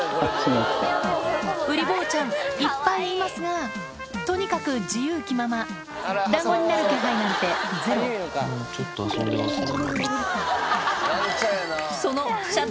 ウリ坊ちゃんいっぱいいますがとにかく自由気まま団子になる気配なんてゼロちょっと遊んでますね。